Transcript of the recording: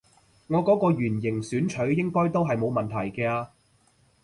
我嗰個圓形選取應該都係冇問題嘅啊